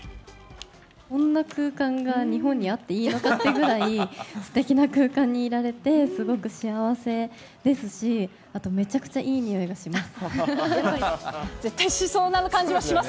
こんな空間が日本にあっていいのかっていうぐらい、すてきな空間にいられて、すごく幸せですし、あとめちゃくちゃいい匂いがします。